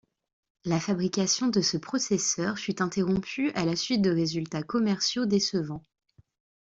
La fabrication de ce processeur fut interrompue à la suite de résultats commerciaux décevants.